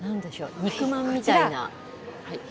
肉まんみたいな。